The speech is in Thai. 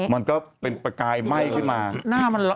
มันก็เป็นประกายไหม้ขึ้นมา